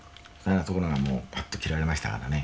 ところがもうパッと切られましたからね。